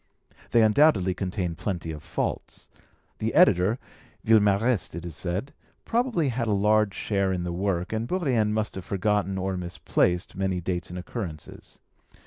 They undoubtedly contain plenty of faults. The editor (Villemarest, it is said) probably had a large share in the work, and Bourrienne must have forgotten or misplaced many dates and occurrences.